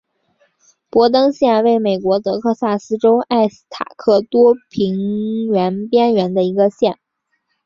博登县位美国德克萨斯州埃斯塔卡多平原边缘的一个县。